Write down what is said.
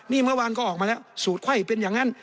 นี่เมื่อวานก็ออกมาแล้วสูตรไข้เป็นอย่างนั้น